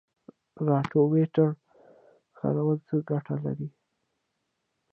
د روټاویټر کارول څه ګټه لري؟